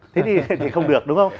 thế thì không được đúng không